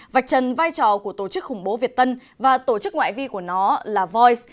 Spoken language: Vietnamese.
vạch trần vai trò của tổ chức khủng bố việt tân và tổ chức ngoại vi của nó là voice